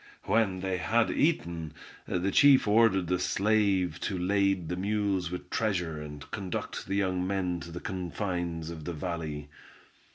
When they had eaten, the chief ordered the slave to lade the mules with treasure and conduct the young men to the confines of the valley.